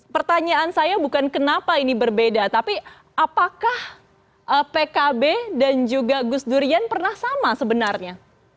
pertanyaan saya bukan kenapa ini berbeda tapi apakah pkb dan juga gus durian pernah sama sebenarnya